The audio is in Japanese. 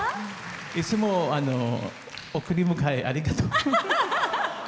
いつも送り迎え、ありがとう。